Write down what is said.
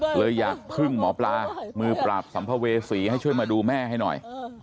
เลยอยากพึ่งหมอปลามือปราบสัมภเวษีให้ช่วยมาดูแม่ให้หน่อย